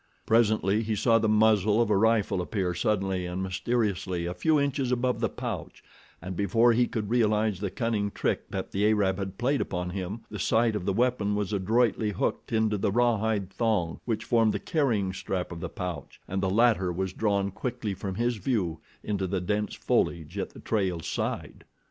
Presently he saw the muzzle of a rifle appear suddenly and mysteriously a few inches above the pouch, and before he could realize the cunning trick that the Arab had played upon him the sight of the weapon was adroitly hooked into the rawhide thong which formed the carrying strap of the pouch, and the latter was drawn quickly from his view into the dense foliage at the trail's side.